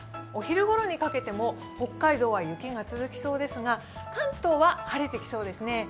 お昼ごろにかけても北海道は雪が続きそうですが、関東は晴れてきそうですね。